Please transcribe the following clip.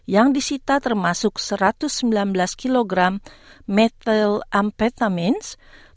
yang disita termasuk satu ratus sembilan belas kilogram methyl amphetamines